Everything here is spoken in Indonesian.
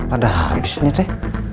ada habisnya teh